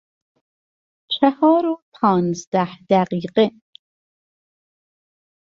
چهار و پانزده دقیقه